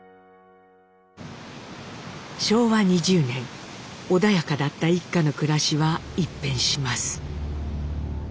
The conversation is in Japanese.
昭和２０年穏やかだった一家の暮らしは一変します。